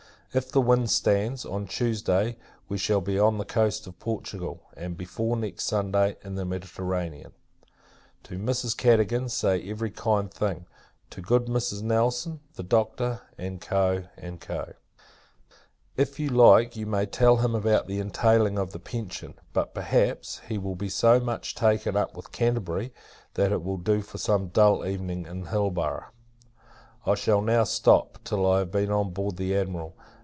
If the wind stands, on Tuesday we shall be on the coast of Portugal; and, before next Sunday, in the Mediterranean. To Mrs. Cadogan, say every kind thing; to good Mrs. Nelson, the Doctor, &c. &c. If you like, you may tell him about the entailing of the pension: but, perhaps, he will be so much taken up with Canterbury, that it will do for some dull evening at Hilborough. I shall now stop, till I have been on board the Admiral.